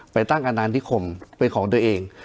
ไปตั้งอันนานที่ข่มไปของตัวเอง